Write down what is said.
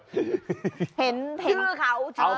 เชื่อเขาเจิม